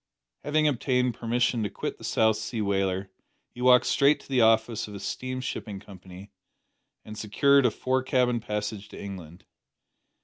Having obtained permission to quit the South Sea whaler he walked straight to the office of a steam shipping company, and secured a fore cabin passage to England.